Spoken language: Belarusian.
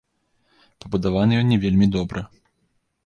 Пабудаваны ён не вельмі добра.